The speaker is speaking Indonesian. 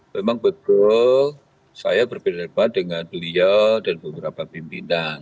memang betul saya berbeda pendapat dengan beliau dan beberapa pimpinan